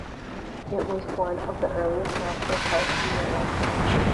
It was one of the earliest national parks in Europe.